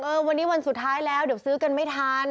วันนี้วันสุดท้ายแล้วเดี๋ยวซื้อกันไม่ทัน